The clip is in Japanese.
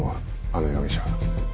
あの容疑者。